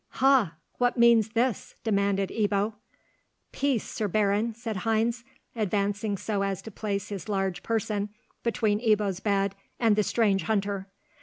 "Ha! what means this?" demanded Ebbo. "Peace, Sir Baron," said Heinz, advancing so as to place his large person between Ebbo's bed and the strange hunter.